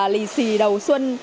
lì xì đầu xuân